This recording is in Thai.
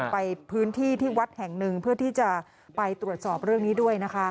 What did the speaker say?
ไปพื้นที่ที่วัดแห่งหนึ่งเพื่อที่จะไปตรวจสอบเรื่องนี้ด้วยนะคะ